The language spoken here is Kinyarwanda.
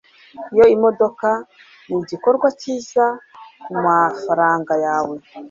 iyo modoka nigikorwa cyiza kumafaranga yawe